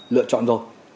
lựa chọn rồi